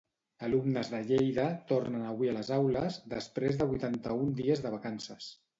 Alumnes de Lleida tornen avui a les aules després de vuitanta-un dies de vacances.